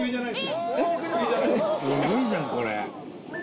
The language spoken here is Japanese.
すごいじゃん、これ。